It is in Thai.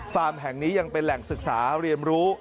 แห่งนี้ยังเป็นแหล่งศึกษาเรียนรู้